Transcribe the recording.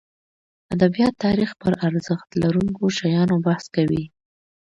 ادبیات تاریخ پرارزښت لرونکو شیانو بحث کوي.